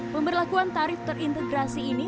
pemberlakuan tarif terintegrasi ini